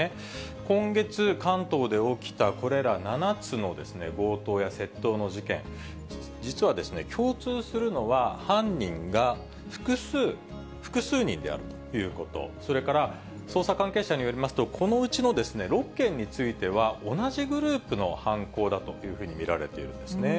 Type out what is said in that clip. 今月、関東で起きたこれら７つの強盗や窃盗の事件、実は共通するのは、犯人が複数人であるということ、それから捜査関係者によると、このうちの６件については、同じグループの犯行だというふうに見られているんですね。